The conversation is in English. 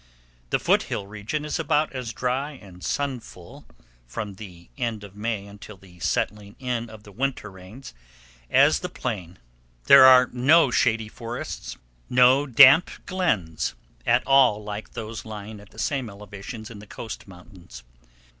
The foot hill region is about as dry and sunful, from the end of May until the setting in of the winter rains, as the plain. There are no shady forests, no damp glens, at all like those lying at the same elevations in the Coast Mountains.